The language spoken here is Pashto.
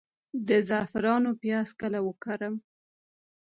د زعفرانو پیاز کله وکرم؟